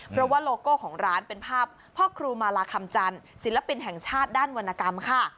เพราะว่าโลโก้ของร้านเป็นภาพพ่อครูมาลาคำจันทร์ศิลปินแห่งชาติด้านวรรณกรรมค่ะ